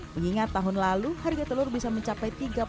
mengingat tahun lalu harga telur bisa mencapai rp tiga puluh delapan